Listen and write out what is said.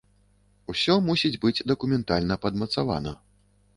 Усё мусіць быць дакументальна падмацавана.